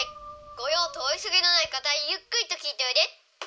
ご用とお急ぎのない方はゆっくりと聞いておいで。